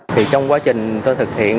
thì trong quá trình tôi thực hiện